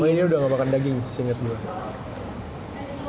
pokoknya dia udah gak makan daging seinget gue